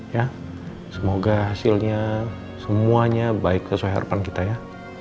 ya semoga hasilnya semuanya baik sesuai harapan kita ya